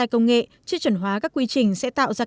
công nghệ chưa chuẩn hóa các quy trình sẽ tạo ra